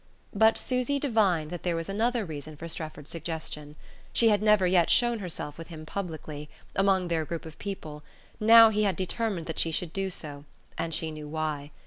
But Susy divined that there was another reason for Strefford's suggestion. She had never yet shown herself with him publicly, among their own group of people: now he had determined that she should do so, and she knew why.